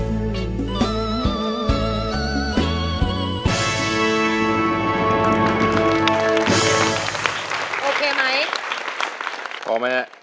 บ๊วยบอกมาเลย